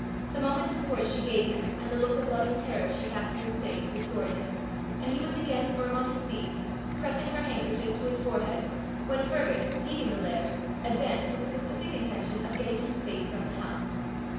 The moment's support she gave him, and the look of loving terror she cast in his face, restored him; and he was again firm on his feet, pressing her handkerchief to his forehead, when Fergus, leaving the laird, advanced with the pacific intention of getting him safe from the house.